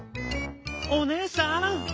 おねえさん！」。